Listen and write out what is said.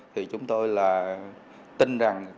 thì chúng tôi tin rằng